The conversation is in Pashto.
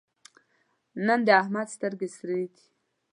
نن د احمد سترګې سرې دي.